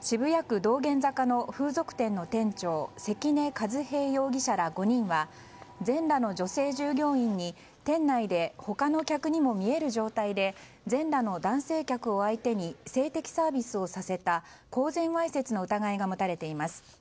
渋谷区道玄坂の風俗店の店長関根和平容疑者ら５人は全裸の女性従業員に店内で他の客にも見える状態で全裸の男性客を相手に性的サービスをさせた公然わいせつの疑いが持たれています。